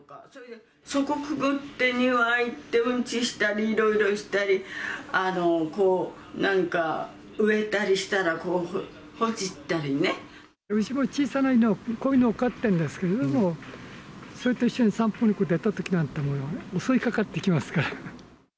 そこくぐって、庭に行ってうんちしたり、いろいろしたり、なんか植えたりしたらうちも小さな犬を、小犬を勝っているんですけれども、それと一緒に散歩に出たときなんか、襲いかかってきますから。